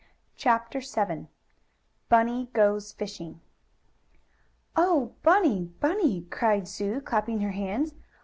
CHAPTER VII BUNNY GOES FISHING "On, Bunny! Bunny!" cried Sue, clapping her hands.